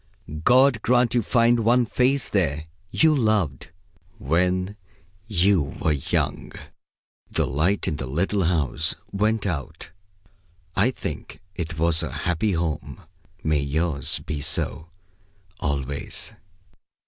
God grant you find one face there, You loved when you were young." The light in the little house went out. I think it was a happy home. May yours be so, always.